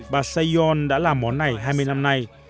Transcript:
bà sayon đã làm món này hai mươi năm nay